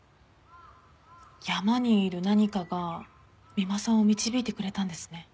山にいる何かが三馬さんを導いてくれたんですね。